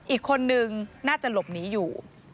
อีกคนนึงน่าจะหลบหนีอยู่